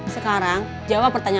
sekarang jawab pertama